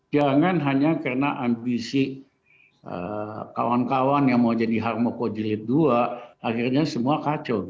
jangan hanya karena ambisi kawan kawan yang mau jadi harmoko jilid dua akhirnya semua kacau